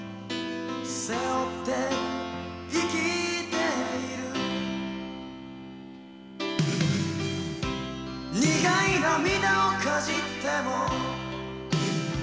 「背負って生きている」「にがい涙をかじっても」